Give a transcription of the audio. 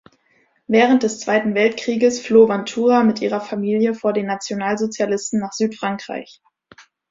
Während des Zweiten Weltkrieges floh Vantoura mit ihrer Familie vor den Nationalsozialisten nach Südfrankreich.